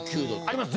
あります！